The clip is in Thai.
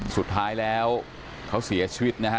สุดท้ายแล้วเขาเสียชีวิตนะฮะ